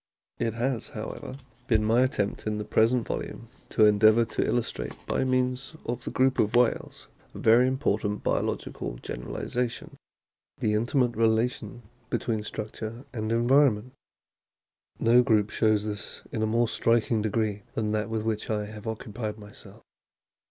It has, however, been my attempt in the present volume to endeavour to illustrate by means of the group of whales a very important biological generalisation, the intimate rela tion between structure and environment. No group shows this to a more striking degree than that with which I have occupied myself.